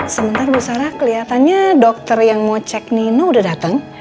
sementara bu sarah kelihatannya dokter yang mau cek nino udah datang